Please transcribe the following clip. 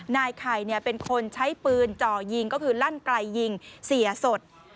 นายไข่เป็นคนใช้ปืนจ่อยิงก็คือลั่นไกลยิงเสียสด